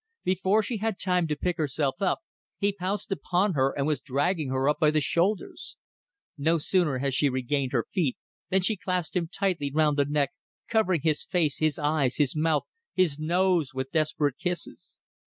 Before she had time to pick herself up he pounced upon her and was dragging her up by the shoulders. No sooner had she regained her feet than she clasped him tightly round the neck, covering his face, his eyes, his mouth, his nose with desperate kisses.